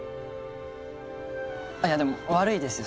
いやでも悪いですよ。